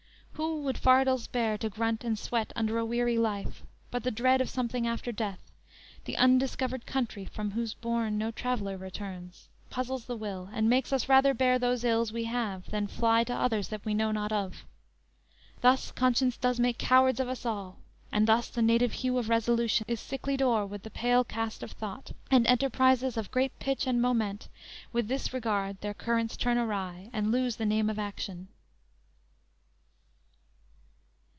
Who would fardels bear, To grunt and sweat under a weary life, But the dread of something after death The undiscovered country from whose bourn No traveler returns, puzzles the will, And makes us rather bear those ills we have Than fly to others that we know not of? Thus conscience does make cowards of us all, And thus the native hue of resolution Is sicklied o'er with the pale cast of thought, And enterprises of great pitch and moment With this regard their currents turns awry And lose the name of action!"